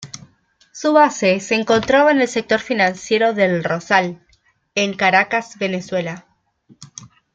Su base se encontraba en el sector financiero de El Rosal en Caracas, Venezuela.